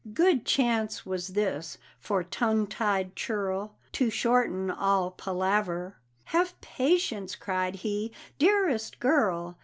Good chance was this for tongue tied churl To shorten all palaver; "Have Patience!" cried he, "dearest girl!